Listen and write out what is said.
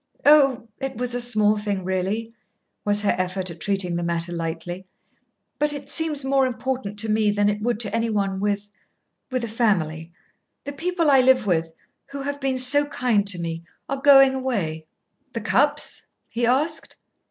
"Oh, it was a small thing, really," was her effort at treating the matter lightly; "but it seems more important to me than it would to any one with with a family. The people I live with who have been so kind to me are going away." "The Cupps?" he asked.